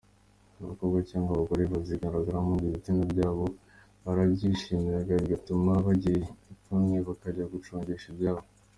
Abakobwa cyangwa abagore bazigaragaramo ngo ibitsina byabo barabyishimiraga bigatuma bagira ipfunwe bakajya gucongesha ibyabo.